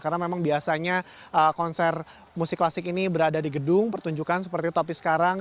karena memang biasanya konser musik klasik ini berada di gedung pertunjukan seperti topi sekarang